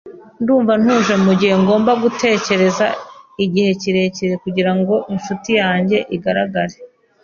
Ndumva ntuje mugihe ngomba gutegereza igihe kirekire kugirango inshuti yanjye igaragare.